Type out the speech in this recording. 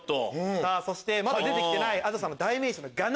そしてまだ出てきてないＡｄｏさんの代名詞。